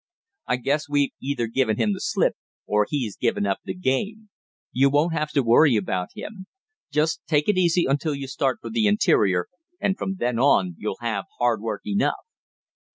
"I guess we've either given him the slip, or he's given up the game. You won't have to worry about him. Just take it easy until you start for the interior, and from then on you'll have hard work enough."